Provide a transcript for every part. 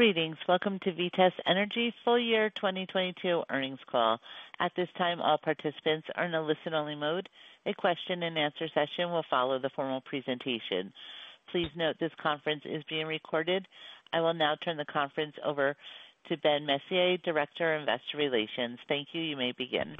Greetings. Welcome to Vitesse Energy Full Year 2022 earnings call. At this time, all participants are in a listen only mode. A question and answer session will follow the formal presentation. Please note this conference is being recorded. I will now turn the conference over to Ben Messier, Director of Investor Relations. Thank you. You may begin.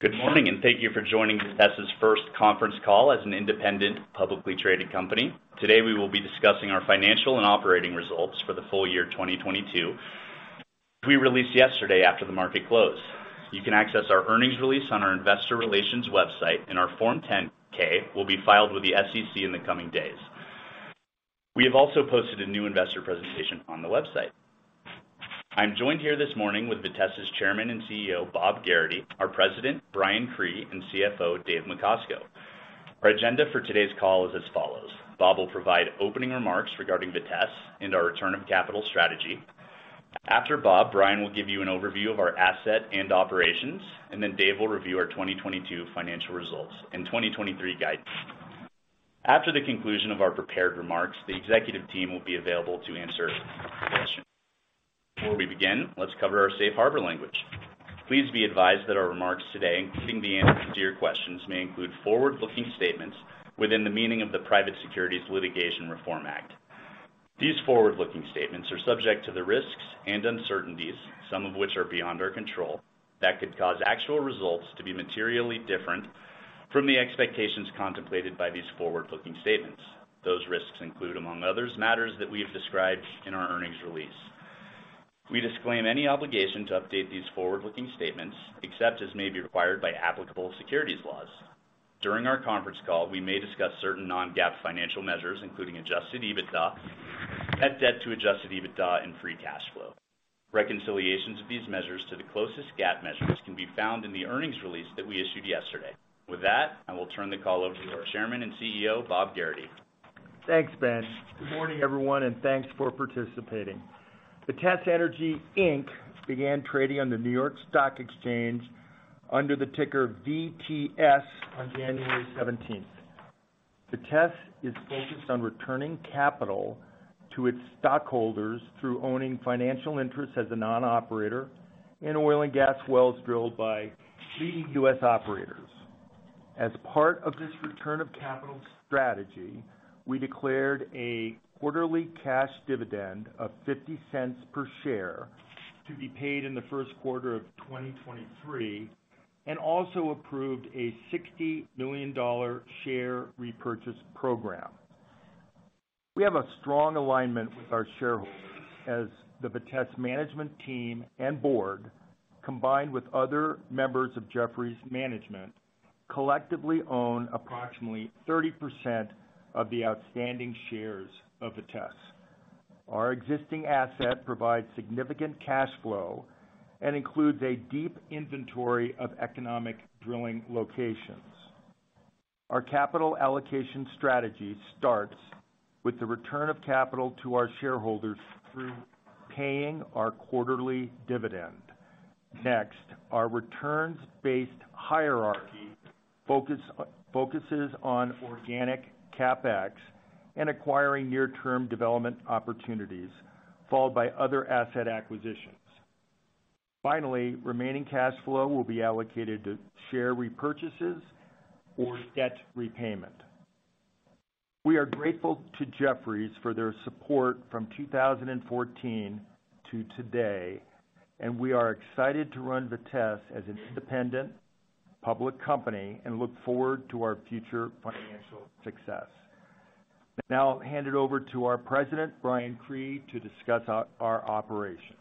Good morning, thank you for joining Vitesse's first conference call as an independent, publicly traded company. Today, we will be discussing our financial and operating results for the full year 2022. We released yesterday after the market closed. You can access our earnings release on our investor relations website, and our Form 10-K will be filed with the SEC in the coming days. We have also posted a new investor presentation on the website. I'm joined here this morning with Vitesse's Chairman and CEO, Bob Gerrity, our President, Brian Cree, and CFO, Dave Macosko. Our agenda for today's call is as follows: Bob will provide opening remarks regarding Vitesse and our return of capital strategy. After Bob, Brian will give you an overview of our asset and operations, and then Dave will review our 2022 financial results and 2023 guidance. After the conclusion of our prepared remarks, the executive team will be available to answer questions. Before we begin, let's cover our safe harbor language. Please be advised that our remarks today, including the answers to your questions, may include forward-looking statements within the meaning of the Private Securities Litigation Reform Act. These forward-looking statements are subject to the risks and uncertainties, some of which are beyond our control, that could cause actual results to be materially different from the expectations contemplated by these forward looking statements. Those risks include, among others, matters that we have described in our earnings release. We disclaim any obligation to update these forward-looking statements, except as may be required by applicable securities laws. During our conference call, we may discuss certain non-GAAP financial measures, including Adjusted EBITDA, net debt to Adjusted EBITDA, and free cash flow. Reconciliations of these measures to the closest GAAP measures can be found in the earnings release that we issued yesterday. With that, I will turn the call over to our Chairman and CEO, Bob Gerrity. Thanks, Ben. Good morning, everyone, thanks for participating. Vitesse Energy Inc. began trading on the New York Stock Exchange under the ticker VTS on January seventeenth. Vitesse is focused on returning capital to its stockholders through owning financial interests as a non operator oil and gas wells drilled by three U.S. operators. As part of this return of capital strategy, we declared a quarterly cash dividend of $0.50 per share to be paid in the first quarter of 2023, also approved a $60 million share repurchase program. We have a strong alignment with our shareholders as the Vitesse management team and board, combined with other members of Jefferies' management, collectively own approximately 30% of the outstanding shares of Vitesse. Our existing asset provides significant cash flow and includes a deep inventory of economic drilling locations. Our capital allocation strategy starts with the return of capital to our shareholders through paying our quarterly dividend. Next, our returns-based hierarchy focuses on organic CapEx and acquiring near-term development opportunities, followed by other asset acquisitions. Finally, remaining cash flow will be allocated to share repurchases or debt repayment. We are grateful to Jefferies for their support from 2014 to today. We are excited to run Vitesse as an independent public company and look forward to our future financial success. Now I'll hand it over to our President, Brian Cree, to discuss our operations.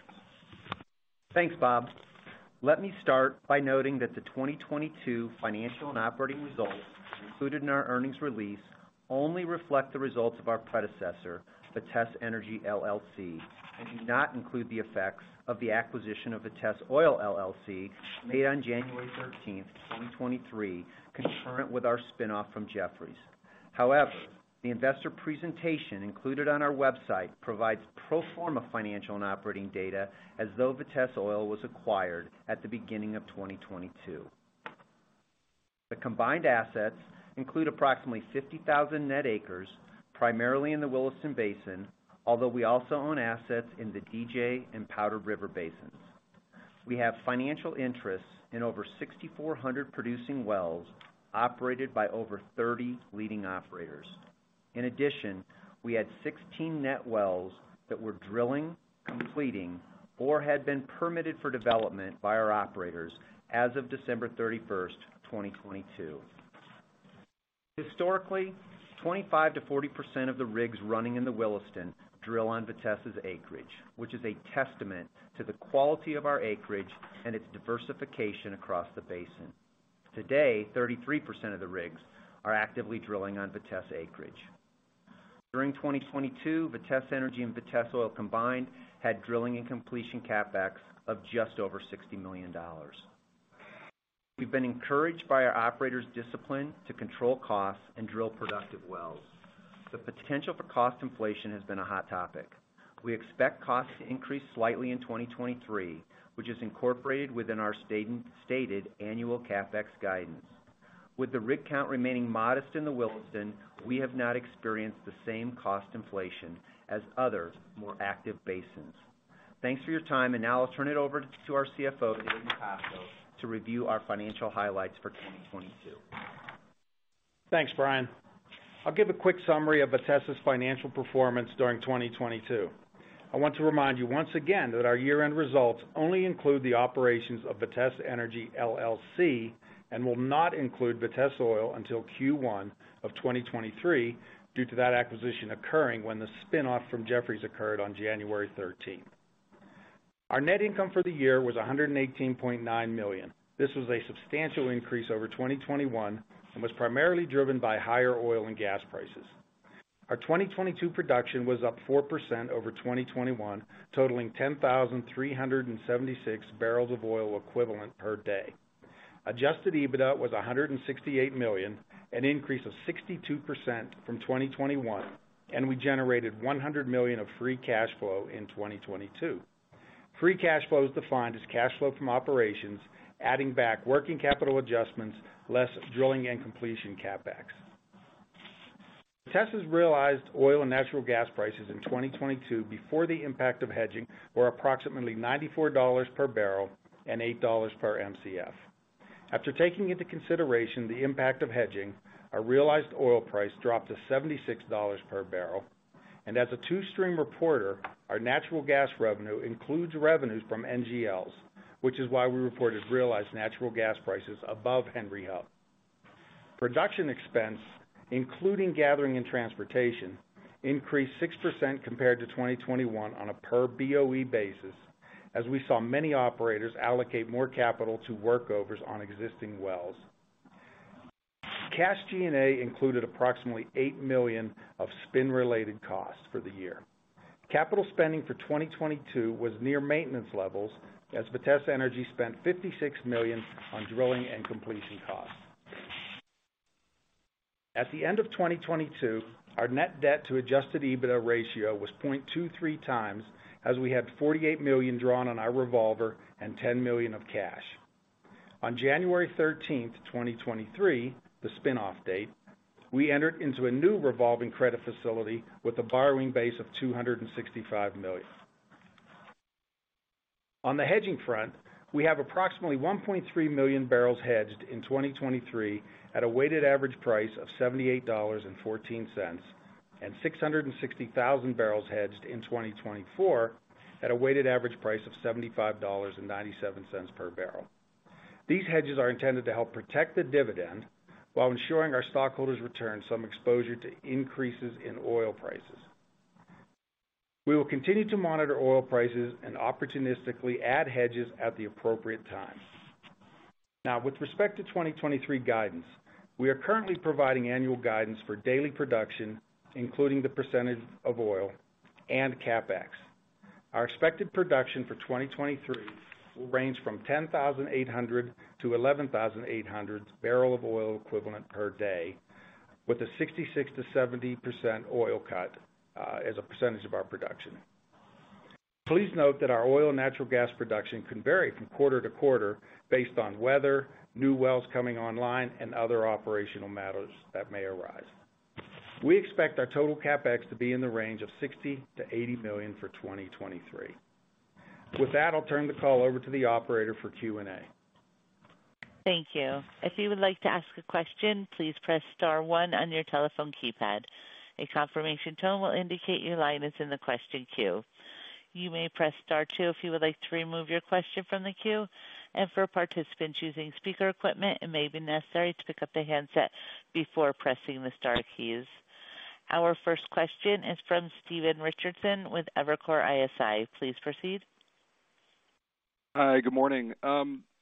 Thanks, Bob. Let me start by noting that the 2022 financial and operating results included in our earnings release only reflect the results of our predecessor, Vitesse Energy LLC, and do not include the effects of the acquisition of Vitesse Oil LLC made on January 13th, 2023, concurrent with our spin-off from Jefferies. However, the investor presentation included on our website provides pro forma financial and operating data as though Vitesse Oil was acquired at the beginning of 2022. The combined assets include approximately 50,000 net acres, primarily in the Williston Basin, although we also own assets in the DJ and Powder River Basins. We have financial interests in over 6,400 producing wells operated by over 30 leading operators. In addition, we had 16 net wells that were drilling, completing, or had been permitted for development by our operators as of December 31st, 2022. Historically, 25% to 40% of the rigs running in the Williston drill on Vitesse's acreage, which is a testament to the quality of our acreage and its diversification across the basin. Today, 33% of the rigs are actively drilling on Vitesse acreage. During 2022, Vitesse Energy and Vitesse Oil combined had drilling and completion CapEx of just over $60 million. We've been encouraged by our operators' discipline to control costs and drill productive wells. The potential for cost inflation has been a hot topic. We expect costs to increase slightly in 2023, which is incorporated within our stated annual CapEx guidance. With the rig count remaining modest in the Williston, we have not experienced the same cost inflation as others more active basins. Thanks for your time. Now I'll turn it over to our CFO, David Macosko, to review our financial highlights for 2022. Thanks, Brian. I'll give a quick summary of Vitesse's financial performance during 2022. I want to remind you once again that our year-end results only include the operations of Vitesse Energy LLC and will not include Vitesse Oil until Q1 of 2023 due to that acquisition occurring when the spin off from Jefferies occurred on January 13. Our net income for the year was $118.9 million. This was a substantial increase over 2021 and was primarily driven by higher oil and gas prices. Our 2022 production was up 4% over 2021, totaling 10,376 barrels of oil equivalent per day. Adjusted EBITDA was $168 million, an increase of 62% from 2021, and we generated $100 million of free cash flow in 2022. Free cash flow is defined as cash flow from operations, adding back working capital adjustments, less drilling and completion CapEx. Vitesse's realized oil and natural gas prices in 2022 before the impact of hedging were approximately $94 per barrel and $8 per Mcf. After taking into consideration the impact of hedging, our realized oil price dropped to $76 per barrel. As a two stream reporter, our natural gas revenue includes revenues from NGLs, which is why we reported realized natural gas prices above Henry Hub. Production expense, including gathering and transportation, increased 6% compared to 2021 on a per BOE basis, as we saw many operators allocate more capital to workovers on existing wells. Cash G&A included approximately $8 million of spin-related costs for the year. Capital spending for 2022 was near maintenance levels as Vitesse Energy spent $56 million on drilling and completion costs. At the end of 2022, our net debt to Adjusted EBITDA ratio was 0.23 times as we had $48 million drawn on our revolver and $10 million of cash. On January 13, 2023, the spin-off date, we entered into a new revolving credit facility with a borrowing base of $265 million. On the hedging front, we have approximately 1.3 million barrels hedged in 2023 at a weighted average price of $78.14, and 660,000 barrels hedged in 2024 at a weighted average price of $75.97 per barrel. These hedges are intended to help protect the dividend while ensuring our stockholders return some exposure to increases in oil prices. We will continue to monitor oil prices and opportunistically add hedges at the appropriate time. With respect to 2023 guidance, we are currently providing annual guidance for daily production, including the % of oil and CapEx. Our expected production for 2023 will range from 10,800 to 11,800 barrel of oil equivalent per day, with a 66%-70% oil cut as a percentage of our production. Please note that our oil and natural gas production can vary from quarter to quarter based on weather, new wells coming online, and other operational matters that may arise. We expect our total CapEx to be in the range of $60 million-$80 million for 2023. With that, I'll turn the call over to the operator for Q&A. Thank you. If you would like to ask a question, please press star one on your telephone keypad. A confirmation tone will indicate your line is in the question queue. You may press Star two if you would like to remove your question from the queue. For participants using speaker equipment, it may be necessary to pick up the handset before pressing the star keys. Our first question is from Stephen Richardson with Evercore ISI. Please proceed. Hi. Good morning.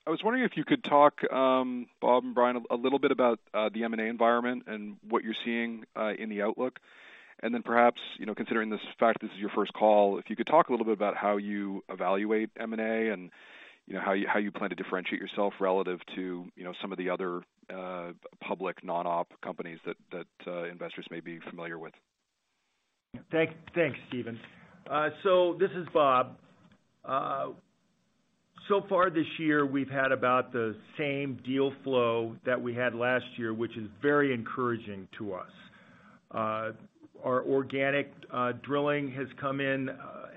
I was wondering if you could talk, Bob and Brian, a little bit about the M&A environment and what you're seeing in the outlook. Perhaps, you know, considering this fact, this is your first call, if you could talk a little bit about how you evaluate M&A and, you know, how you plan to differentiate yourself relative to, you know, some of the other public non-op companies that investors may be familiar with. Thanks, Stephen. This is Bob. Far this year, we've had about the same deal flow that we had last year, which is very encouraging to us. Our organic drilling has come in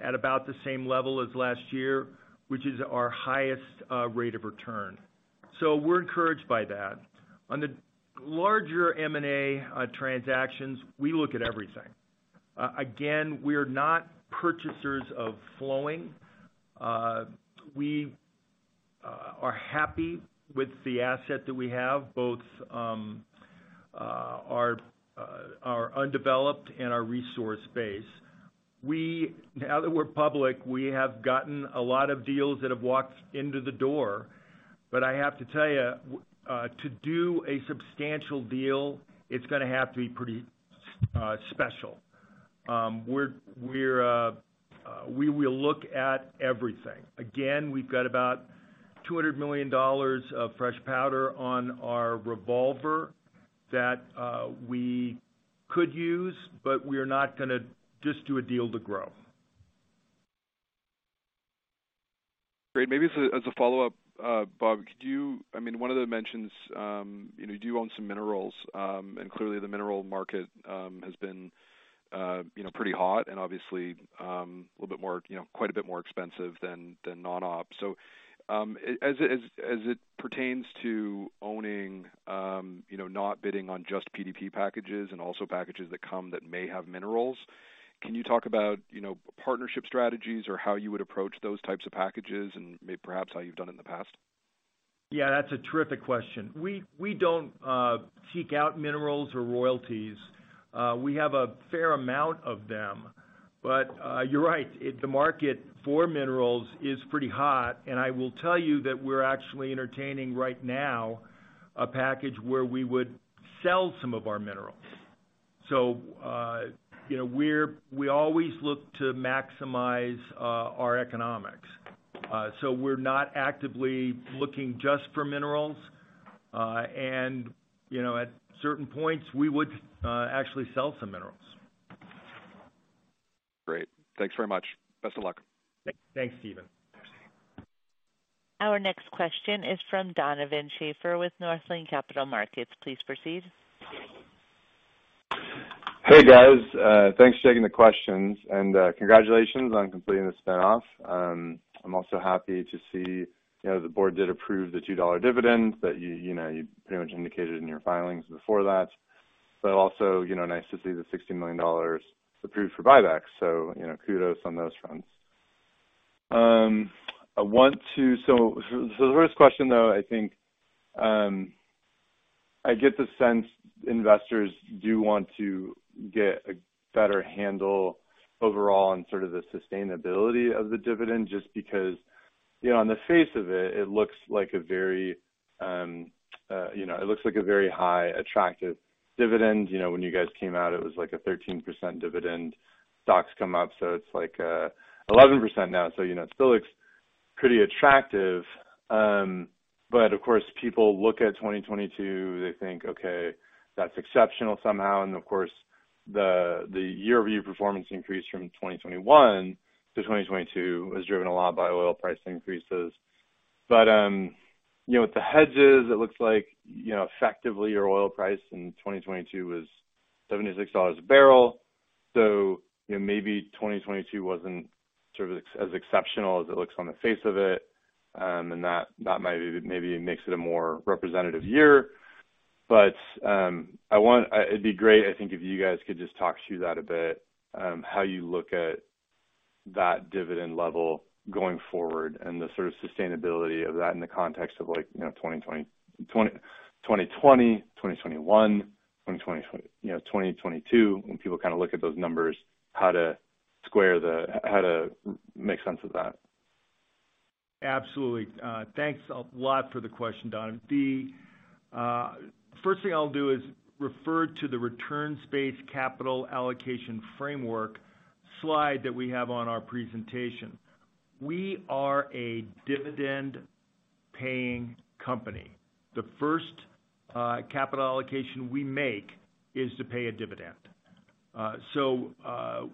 at about the same level as last year, which is our highest rate of return. We're encouraged by that. On the larger M&A transactions, we look at everything. Again, we are not purchasers of flowing. We are happy with the asset that we have, both our undeveloped and our resource base. Now that we're public, we have gotten a lot of deals that have walked into the door. I have to tell you, to do a substantial deal, it's gonna have to be pretty special. We will look at everything. We've got about $200 million of fresh powder on our revolver that we could use, but we are not gonna just do a deal to grow. Great. Maybe as a, as a follow-up, Bob, I mean, one of the mentions, you know, do you own some minerals? Clearly the mineral market has been, you know, pretty hot and obviously a little bit more, you know, quite a bit more expensive than non-op. As it pertains to owning, you know, not bidding on just PDP packages and also packages that come that may have minerals, can you talk about, you know, partnership strategies or how you would approach those types of packages and may perhaps how you've done in the past? Yeah, that's a terrific question. We don't seek out minerals or royalties. We have a fair amount of them. You're right. The market for minerals is pretty hot, and I will tell you that we're actually entertaining right now a package where we would sell some of our minerals. You know, we always look to maximize our economics. We're not actively looking just for minerals. You know, at certain points, we would actually sell some minerals. Great. Thanks very much. Best of luck. Thanks, Stephen. Thanks. Our next question is from Donovan Schafer with Northland Capital Markets. Please proceed. Hey, guys. Thanks for taking the questions and congratulations on completing the spin-off. I'm also happy to see, you know, the board did approve the $2 dividend that you know, you pretty much indicated in your filings before that. Also, you know, nice to see the $60 million approved for buybacks. You know, kudos on those fronts. The first question, though, I think, I get the sense investors do want to get a better handle overall on sort of the sustainability of the dividend, just because, you know, on the face of it looks like a very high, attractive dividend. You know, when you guys came out, it was like a 13% dividend. Stock's come up, it's like 11% now. You know, it still looks pretty attractive. Of course, people look at 2022, they think, okay, that's exceptional somehow. Of course, the year-over-year performance increase from 2021 to 2022 was driven a lot by oil price increases. You know, with the hedges, it looks like, you know, effectively, your oil price in 2022 was $76 a barrel. You know, maybe 2022 wasn't sort of as exceptional as it looks on the face of it. And that maybe makes it a more representative year. It'd be great, I think, if you guys could just talk through that a bit, how you look at that dividend level going forward and the sort of sustainability of that in the context of, like, you know, 2020, 2021, 2020, you know, 2022, when people kind of look at those numbers, how to make sense of that? Absolutely. Thanks a lot for the question, Don. The first thing I'll do is refer to the returns-based capital allocation framework slide that we have on our presentation. We are a dividend-paying company. The first capital allocation we make is to pay a dividend.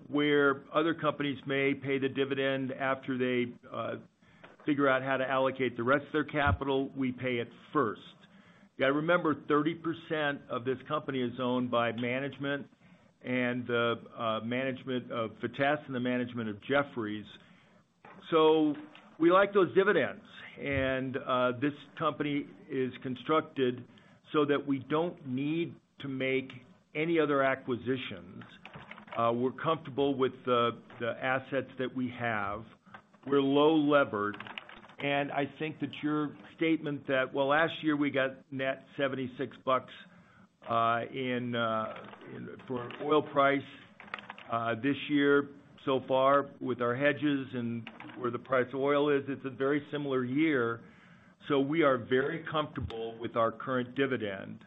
Where other companies may pay the dividend after they figure out how to allocate the rest of their capital, we pay it first. You gotta remember, 30% of this company is owned by management and the management of Vitesse and the management of Jefferies. We like those dividends. This company is constructed so that we don't need to make any other acquisitions. We're comfortable with the assets that we have. We're low levered. I think that your statement that... Last year we got net $76 for oil price. This year so far with our hedges and where the price of oil is, it's a very similar year. We are very comfortable with our current dividend,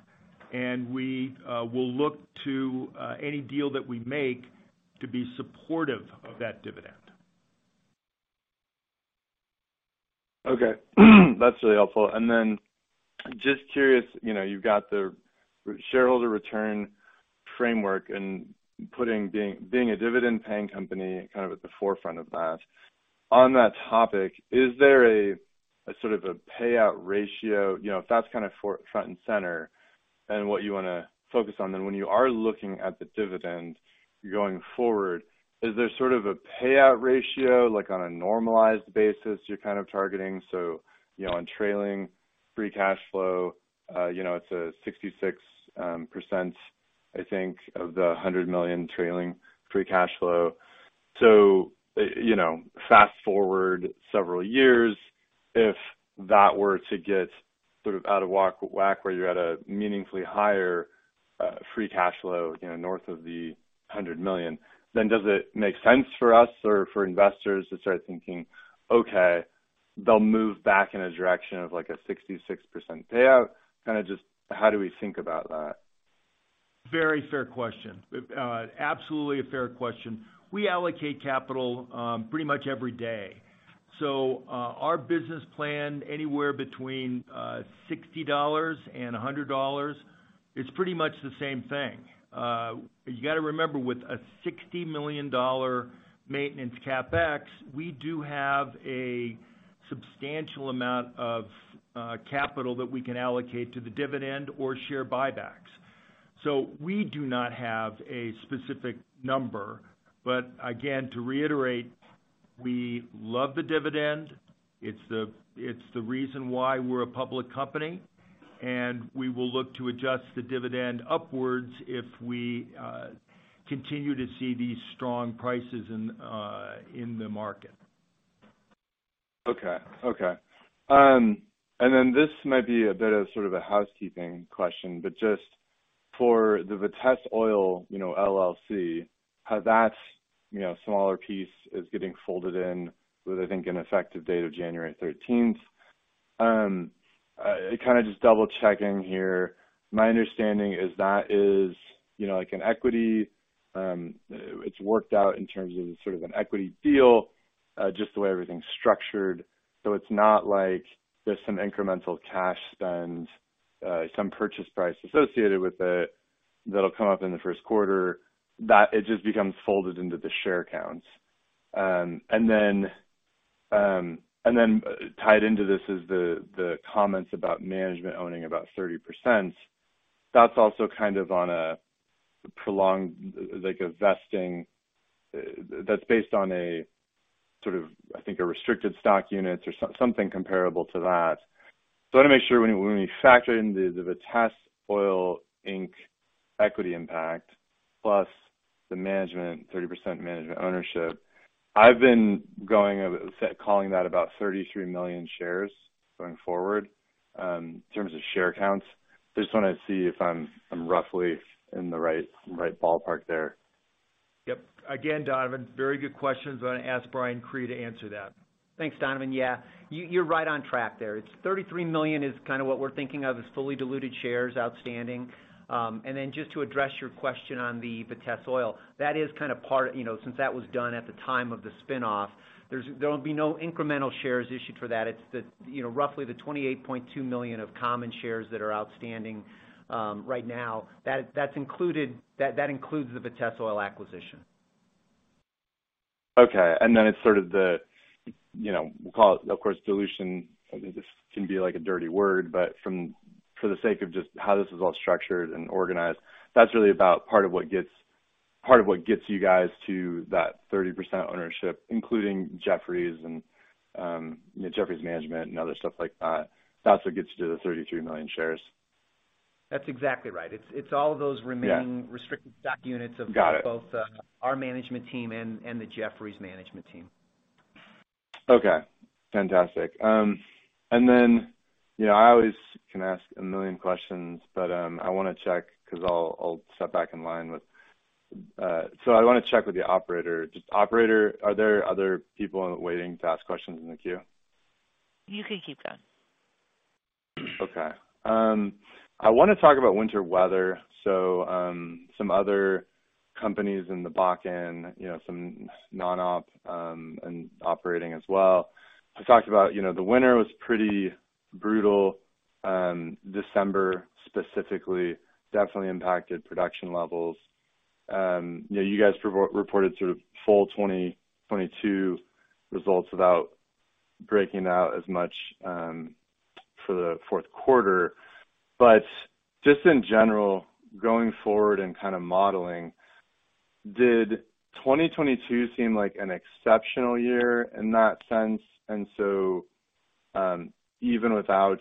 and we will look to any deal that we make to be supportive of that dividend. Okay. That's really helpful. Just curious, you know, you've got the shareholder return framework and being a dividend-paying company kind of at the forefront of that. On that topic, is there a sort of a payout ratio? You know, if that's kind of front and center and what you wanna focus on, when you are looking at the dividend going forward, is there sort of a payout ratio, like on a normalized basis you're kind of targeting? You know, on trailing free cash flow, you know, it's a 66%, I think, of the $100 million trailing free cash flow. You know, fast-forward several years, if that were to get sort of out of whack, where you're at a meaningfully higher free cash flow, you know, north of the $100 million, does it make sense for us or for investors to start thinking, okay, they'll move back in a direction of, like, a 66% payout? Kinda just how do we think about that? Very fair question. Absolutely a fair question. We allocate capital pretty much every day. Our business plan anywhere between $60 and $100. It's pretty much the same thing. You gotta remember, with a $60 million maintenance CapEx, we do have a substantial amount of capital that we can allocate to the dividend or share buybacks. We do not have a specific number. Again, to reiterate, we love the dividend. It's the, it's the reason why we're a public company, and we will look to adjust the dividend upwards if we continue to see these strong prices in the market. Okay. Okay. This might be a bit of sort of a housekeeping question, but just for the Vitesse Oil, you know, LLC, how that, you know, smaller piece is getting folded in with, I think, an effective date of January 13th. kind of just double checking here. My understanding is that is, you know, like an equity. it's worked out in terms of sort of an equity deal, just the way everything's structured. It's not like there's some incremental cash spend, some purchase price associated with it that'll come up in the first quarter, that it just becomes folded into the share counts. Tied into this is the comments about management owning about 30%. That's also kind of on a prolonged, like a vesting... That's based on a sort of, I think, a restricted stock units or something comparable to that. I wanna make sure when we, when we factor in the Vitesse Energy, Inc. equity impact, plus the management, 30% management ownership, I've been calling that about 33 million shares going forward, in terms of share counts. Just wanna see if I'm roughly in the right ballpark there. Yep. Again, Donovan, very good questions. I'm gonna ask Brian Cree to answer that. Thanks, Donovan. Yeah, you're right on track there. It's 33 million is kinda what we're thinking of as fully diluted shares outstanding. Then just to address your question on the Vitesse Oil, that is kind of part, you know, since that was done at the time of the spin off, there'll be no incremental shares issued for that. It's the, you know, roughly the 28.2 million of common shares that are outstanding right now. That includes the Vitesse Oil acquisition. Okay. It's sort of the, you know, we'll call it, of course, dilution. I think this can be, like, a dirty word, but for the sake of just how this is all structured and organized, that's really about part of what gets you guys to that 30% ownership, including Jefferies and Jefferies management and other stuff like that. That's what gets you to the 33 million shares. That's exactly right. It's all of those. Yeah. -restricted stock units of- Got it. Both, our management team and the Jefferies management team. Okay, fantastic. You know, I always can ask a million questions, but, I wanna check 'cause I'll step back. I wanna check with the operator. Just operator, are there other people waiting to ask questions in the queue? You can keep going. Okay. I wanna talk about winter weather. Some other companies in the Bakken, you know, some non-op, and operating as well, have talked about, you know, the winter was pretty brutal, December specifically, definitely impacted production levels. You know, you guys reported sort of full 2022 results without breaking out as much for the fourth quarter. Just in general, going forward and kinda modeling, did 2022 seem like an exceptional year in that sense? Even without,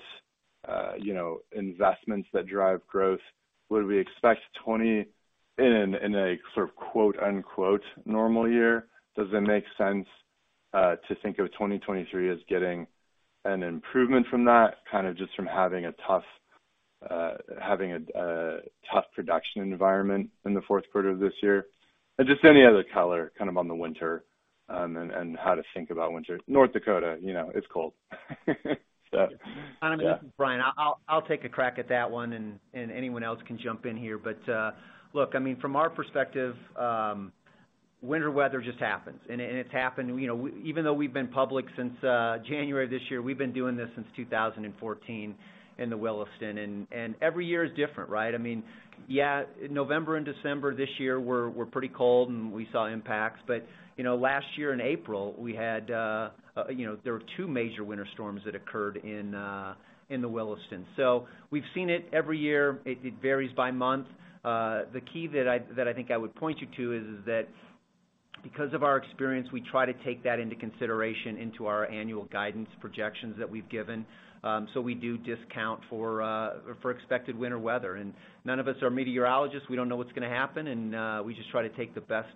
you know, investments that drive growth, would we expect 20... In a sort of, quote-unquote, normal year, does it make sense to think of 2023 as getting an improvement from that, kinda just from having a tough, having a tough production environment in the fourth quarter of this year? Just any other color kind of on the winter, and how to think about winter. North Dakota, you know, it's cold. Yeah. Donovan, this is Brian. I'll take a crack at that one, and anyone else can jump in here. Look, I mean, from our perspective, winter weather just happens, and it's happened. You know, even though we've been public since January of this year, we've been doing this since 2014 in the Williston. Every year is different, right? I mean, yeah, November and December this year were pretty cold, and we saw impacts. You know, last year in April, we had, you know, there were 2 major winter storms that occurred in the Williston. We've seen it every year. It varies by month. The key that I think I would point you to is that because of our experience, we try to take that into consideration into our annual guidance projections that we've given. We do discount for expected winter weather. None of us are meteorologists. We don't know what's gonna happen. We just try to take the best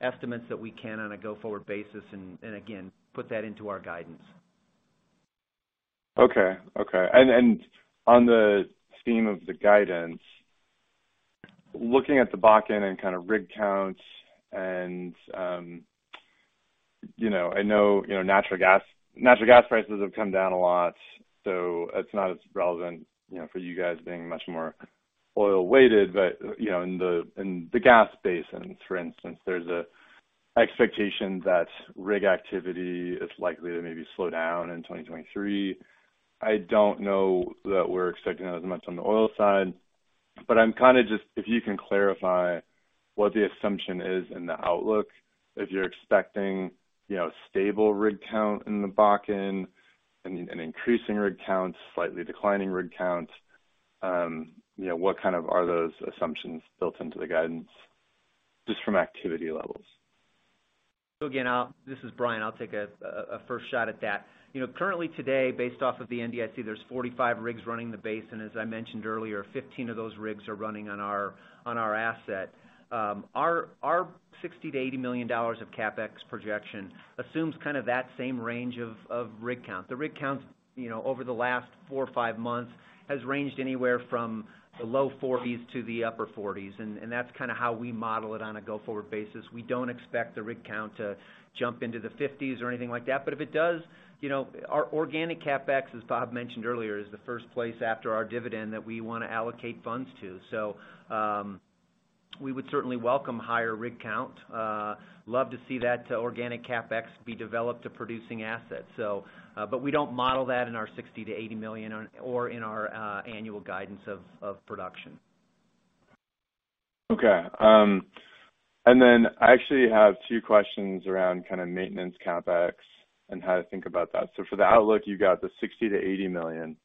estimates that we can on a go-forward basis and again, put that into our guidance. Okay. Okay. Then on the scheme of the guidance, looking at the Bakken and kind of rig counts and, you know, I know, you know, natural gas, natural gas prices have come down a lot, so it's not as relevant, you know, for you guys being much more oil-weighted. You know, in the, in the gas basins, for instance, there's expectation that rig activity is likely to maybe slow down in 2023. I don't know that we're expecting that as much on the oil side, but I'm kind of just, if you can clarify what the assumption is in the outlook, if you're expecting, you know, stable rig count in the Bakken and an increasing rig count, slightly declining rig count, you know, what kind of are those assumptions built into the guidance just from activity levels? Again, this is Brian, I'll take a first shot at that. You know, currently today, based off of the NDIC, there's 45 rigs running the basin. As I mentioned earlier, 15 of those rigs are running on our asset. Our $60 million-$80 million of CapEx projection assumes kind of that same range of rig count. The rig counts, you know, over the last 4 or 5 months has ranged anywhere from the low 40s to the upper 40s, and that's kinda how we model it on a go-forward basis. We don't expect the rig count to jump into the 50s or anything like that. If it does, you know, our organic CapEx, as Bob mentioned earlier, is the first place after our dividend that we wanna allocate funds to. We would certainly welcome higher rig count. Love to see that organic CapEx be developed to producing assets. We don't model that in our $60 million-$80 million or in our annual guidance of production. Okay. I actually have two questions around kinda maintenance CapEx and how to think about that. For the outlook, you've got the $60 million-$80 million,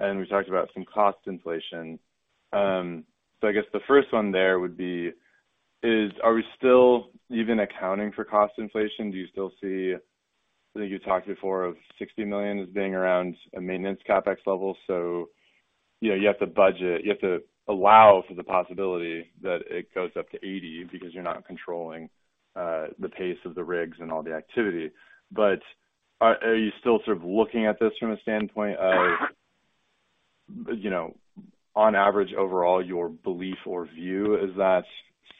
and we talked about some cost inflation. I guess the first one there would be, are we still even accounting for cost inflation? Do you still see, I think you talked before of $60 million as being around a maintenance CapEx level? You know, you have to budget, you have to allow for the possibility that it goes up to $80 million because you're not controlling, the pace of the rigs and all the activity. Are you still sort of looking at this from a standpoint of, you know, on average, overall, your belief or view is that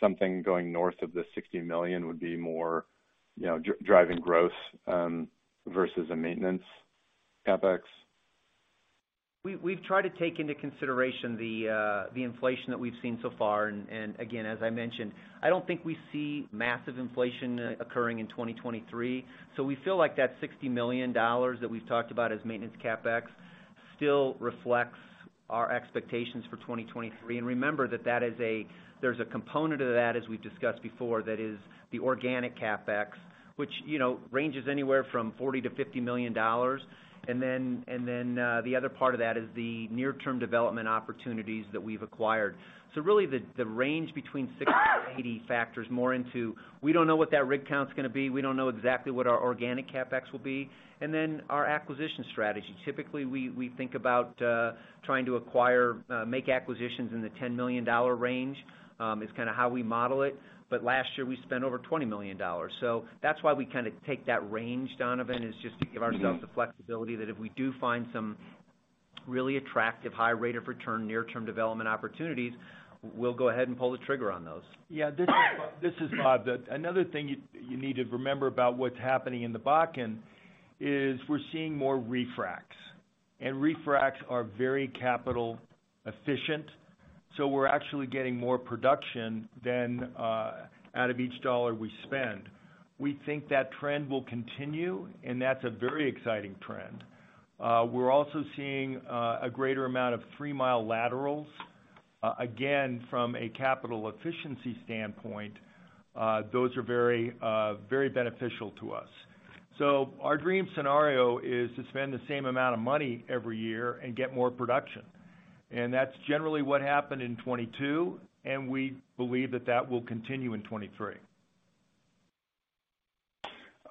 something going north of the $60 million would be more, you know, driving growth versus a maintenance CapEx? We've tried to take into consideration the inflation that we've seen so far. Again, as I mentioned, I don't think we see massive inflation occurring in 2023. We feel like that $60 million that we've talked about as maintenance CapEx still reflects our expectations for 2023. Remember that there's a component of that, as we've discussed before, that is the organic CapEx, which, you know, ranges anywhere from $40 million-$50 million. Then the other part of that is the near-term development opportunities that we've acquired. Really, the range between $60 million-$80 million factors more into we don't know what that rig count is gonna be, we don't know exactly what our organic CapEx will be. Our acquisition strategy. Typically, we think about trying to acquire, make acquisitions in the $10 million range, is kinda how we model it. Last year, we spent over $20 million. That's why we kinda take that range, Donovan, is just to give ourselves the flexibility that if we do find some really attractive, high rate of return near-term development opportunities, we'll go ahead and pull the trigger on those. Yeah. This is Bob. Another thing you need to remember about what's happening in the Bakken is we're seeing more refracs, and refracs are very capital efficient, so we're actually getting more production than out of each dollar we spend. We think that trend will continue, and that's a very exciting trend. We're also seeing a greater amount of three-mile laterals. Again, from a capital efficiency standpoint, those are very beneficial to us. Our dream scenario is to spend the same amount of money every year and get more production. That's generally what happened in 2022, and we believe that that will continue in 2023.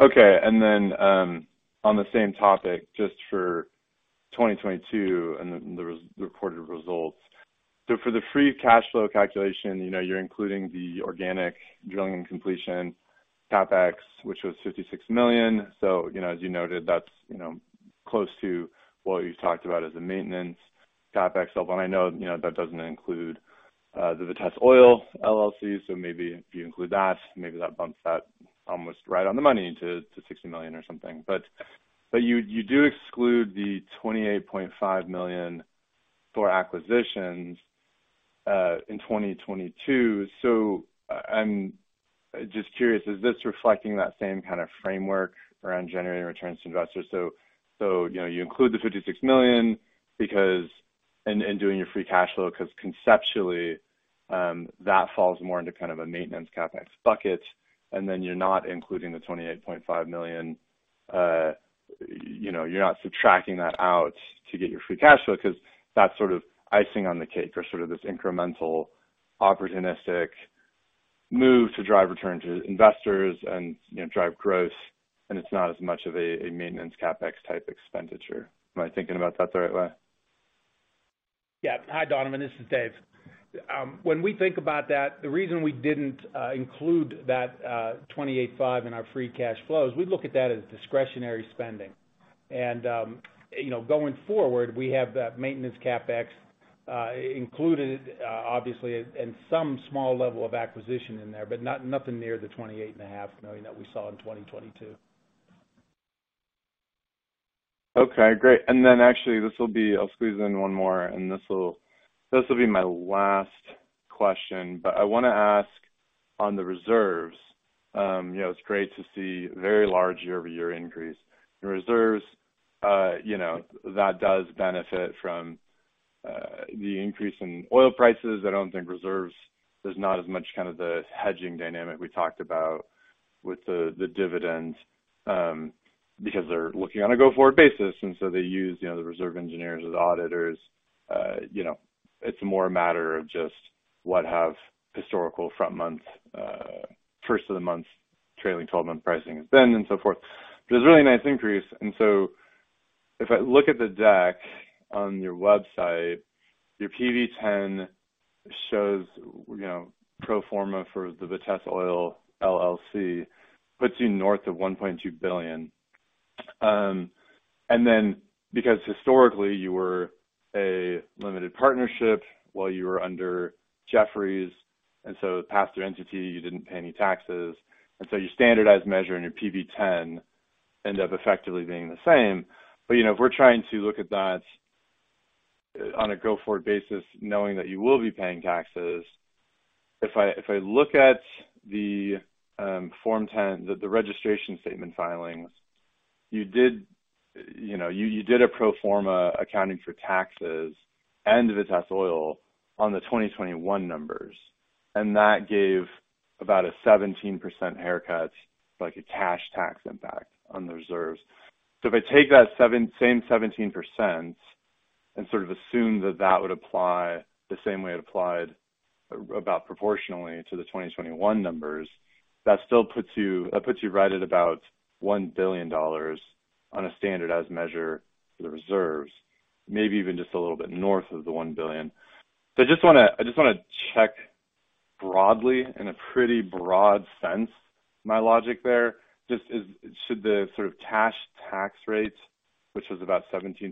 Okay. On the same topic, just for 2022 and the reported results. For the free cash flow calculation, you know, you're including the organic drilling and completion CapEx, which was $56 million. You know, as you noted, that's, you know, close to what you talked about as a maintenance CapEx level. I know, you know, that doesn't include the Vitesse Oil LLC, maybe if you include that, maybe that bumps that almost right on the money to $60 million or something. You do exclude the $28.5 million for acquisitions in 2022. I'm just curious, is this reflecting that same kind of framework around generating returns to investors? You know, you include the $56 million because... In doing your free cash flow 'cause conceptually, that falls more into kind of a maintenance CapEx bucket, and then you're not including the $28.5 million. You know, you're not subtracting that out to get your free cash flow 'cause that's sort of icing on the cake or sort of this incremental opportunistic move to drive return to investors and, you know, drive growth, and it's not as much of a maintenance CapEx type expenditure. Am I thinking about that the right way? Yeah. Hi, Donovan. This is Dave. When we think about that, the reason we didn't include that $28.5 in our free cash flows, we look at that as discretionary spending. You know, going forward, we have that maintenance CapEx included, obviously, and some small level of acquisition in there, but nothing near the twenty-eight and a half million that we saw in 2022. Okay, great. Actually this will be I'll squeeze in one more, and this will be my last question. I want to ask on the reserves. You know, it's great to see very large year-over-year increase. The reserves, you know, that does benefit from the increase in oil prices. I don't think reserves. There's not as much kind of the hedging dynamic we talked about with the dividend, because they're looking on a go-forward basis, and so they use, you know, the reserve engineers or the auditors. You know, it's more a matter of just what have historical front month, first of the month trailing 12-month pricing has been and so forth. It's a really nice increase. If I look at the deck on your website, your PV-10 shows, you know, pro forma for the Vitesse Oil LLC, puts you north of $1.2 billion. Because historically you were a limited partnership while you were under Jefferies, and so pass-through entity, you didn't pay any taxes. Your standardized measure and your PV-ten end up effectively being the same. You know, if we're trying to look at that on a go forward basis, knowing that you will be paying taxes, if I look at the Form 10, the registration statement filings, you did a pro forma accounting for taxes and Vitesse Oil on the 2021 numbers, and that gave about a 17% haircut, like a cash tax impact on the reserves. If I take that same 17% and sort of assume that that would apply the same way it applied about proportionally to the 2021 numbers, that still puts you right at about $1 billion on a standardized measure for the reserves, maybe even just a little bit north of the $1 billion. I just wanna, I just wanna check broadly, in a pretty broad sense my logic there. Should the sort of cash tax rate, which was about 17%,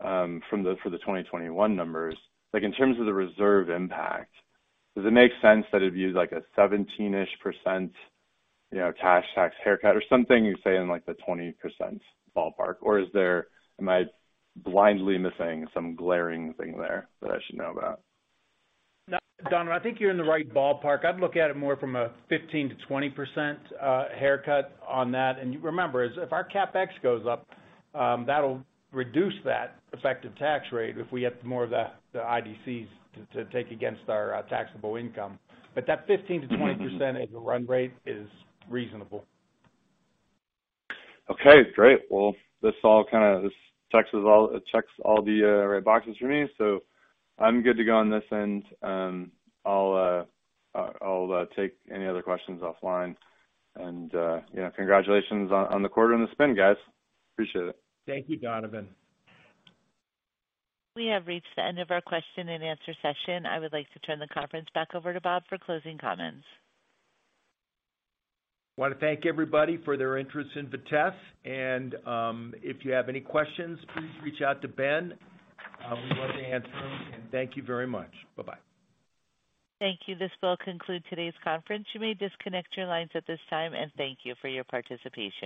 for the 2021 numbers, like in terms of the reserve impact, does it make sense that it viewed like a 17-ish%, you know, cash tax haircut or something you say in like the 20% ballpark? Or am I blindly missing some glaring thing there that I should know about? No, Donovan, I think you're in the right ballpark. I'd look at it more from a 15%-20% haircut on that. Remember, is if our CapEx goes up, that'll reduce that effective tax rate if we get more of the IDCs to take against our taxable income. That 15%-20% as a run rate is reasonable. Okay, great. This all kinda, this checks all, it checks all the right boxes for me, so I'm good to go on this end. I'll take any other questions offline and, you know, congratulations on the quarter and the spin, guys. Appreciate it. Thank you, Donovan. We have reached the end of our question and answer session. I would like to turn the conference back over to Bob for closing comments. Want to thank everybody for their interest in Vitesse. If you have any questions, please reach out to Ben. We'd love to answer them. Thank you very much. Bye-bye. Thank you. This will conclude today's conference. You may disconnect your lines at this time and thank you for your participation.